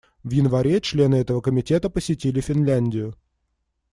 В январе члены этого Комитета посетили Финляндию.